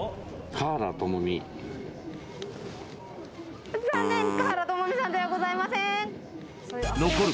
華原朋美さんではございません